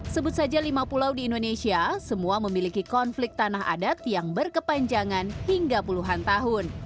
sebut saja lima pulau di indonesia semua memiliki konflik tanah adat yang berkepanjangan hingga puluhan tahun